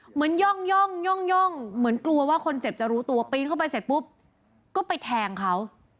ย่องย่องเหมือนกลัวว่าคนเจ็บจะรู้ตัวปีนเข้าไปเสร็จปุ๊บก็ไปแทงเขา